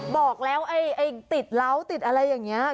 บอกแล้วไอ้ติดเหล้าติดอะไรอย่างนี้